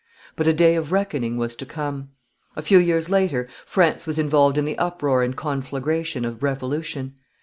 But a day of reckoning was to come. A few years later France was involved in the uproar and conflagration of revolution.